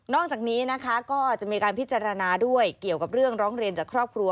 จากนี้นะคะก็จะมีการพิจารณาด้วยเกี่ยวกับเรื่องร้องเรียนจากครอบครัว